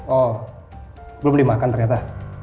oh belum dimakan ternyata